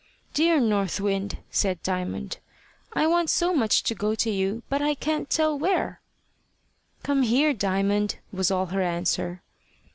"Dear North Wind," said Diamond, "I want so much to go to you, but I can't tell where." "Come here, Diamond," was all her answer.